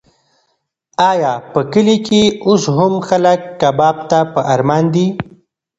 ایا په کلي کې اوس هم خلک کباب ته په ارمان دي؟